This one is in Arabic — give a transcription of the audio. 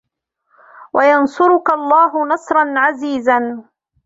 وَيَنْصُرَكَ اللَّهُ نَصْرًا عَزِيزًا